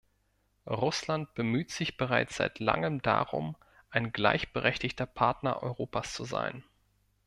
Russland bemüht sich bereits seit langem darum, ein gleichberechtigter Partner Europas zu sein.